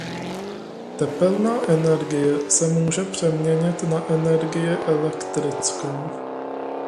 Tepelná energie se může přeměnit na energii elektrickou.